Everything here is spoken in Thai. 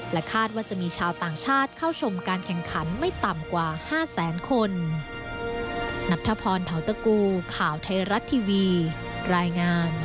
คาดว่าจะมีชาวต่างชาติเข้าชมการแข่งขันไม่ต่ำกว่า๕แสนคน